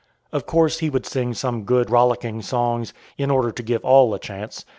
Of course he would sing some good rollicking songs, in order to give all a chance.